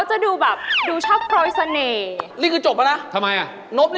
คุณอุ๊ยครับ